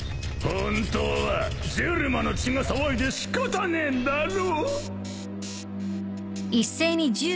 本当はジェルマの血が騒いで仕方ねえんだろ！？